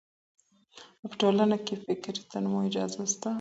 آيا په ټولنه کي د فکري تنوع اجازه سته؟